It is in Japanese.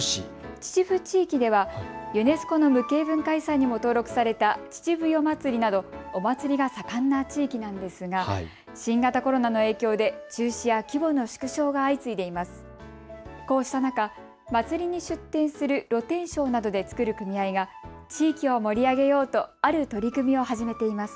秩父地域ではユネスコの文化遺産にも登録された秩父夜祭などお祭りが盛んな地域なんですが新型コロナの影響で中止や規模の縮小が相次いでいます。